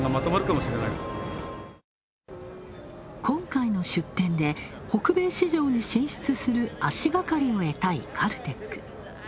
今回の出展で北米市場に進出する足がかりを得たいカルテック。